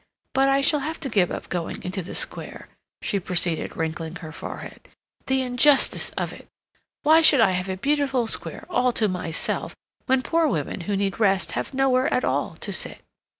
But I shall have to give up going into the square," she proceeded, wrinkling her forehead. "The injustice of it! Why should I have a beautiful square all to myself, when poor women who need rest have nowhere at all to sit?"